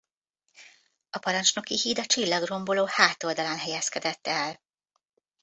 A parancsnoki híd a csillagromboló hát oldalán helyezkedett el.